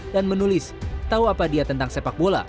dan menulis tahu apa dia tentang sepak bola